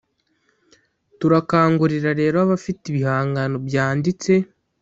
turakangurira rero abafite ibihangano byanditse,